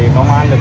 không còn ph